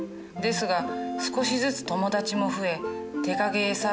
ですが少しずつ友達も増え手影絵